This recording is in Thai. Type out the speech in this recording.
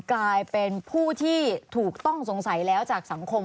กลายเป็นผู้ที่ถูกต้องสงสัยแล้วจากสังคม